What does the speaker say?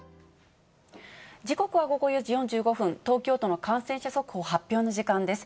時刻は午後４時４５分、東京都の感染者速報発表の時間です。